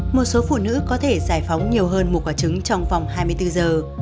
một số phụ nữ có thể giải phóng nhiều hơn một quả trứng trong vòng hai mươi bốn giờ